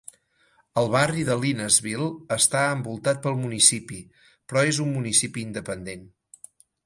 El barri de Linesville està envoltat pel municipi, però és un municipi independent.